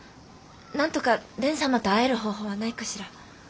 なんとか蓮様と会える方法はないかしら？